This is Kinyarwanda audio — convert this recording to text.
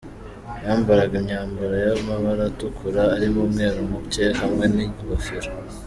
Yambaraga imyambaro y’amabara atukura arimo umweru muke, hamwe n’ingofero.